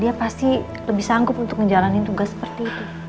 dia pasti lebih sanggup untuk menjalani tugas seperti itu